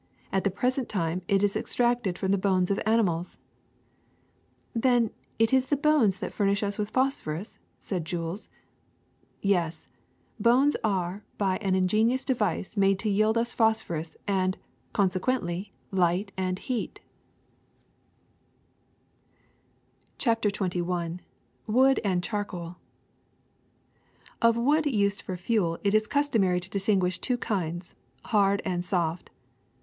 At the present time it is extracted from the bones of animals.'' *^Then it is bones that furnish us with phos phorus?" said Jules. ^^Yes, bones are by an ingenious device made to yield us phosphorus and, consequently, light and heaf CHAPTER XXI WOOD AND CHARCOAL OF wood used for fuel it is customary to dis tinguish two kinds, hard and soft.